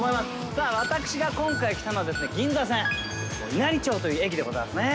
さあ私が今回来たのは銀座線稲荷町という駅でございますね。